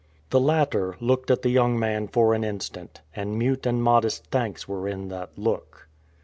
The latter looked at the young man for an instant, and mute and modest thanks were in that look.